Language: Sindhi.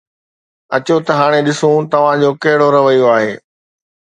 اچو ته هاڻي ڏسو، توهان جو ڪهڙو رويو آهي